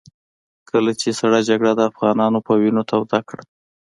کله چې سړه جګړه د افغانانو په وينو توده کړه.